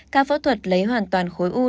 ca phẫu thuật lấy hoàn toàn khối u